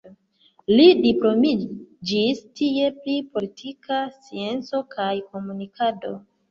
Li diplomiĝis tie pri politika scienco kaj komunikado.